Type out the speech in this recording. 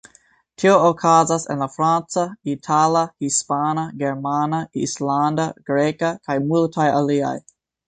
Tio okazas en la franca, itala, hispana, germana, islanda, greka, kaj multaj aliaj.